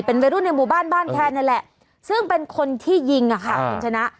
เป็นวัยรุ่นในหมู่บ้านบ้านแคนนี่แหละซึ่งเป็นคนที่ยิงอ่ะค่ะคุณชนะ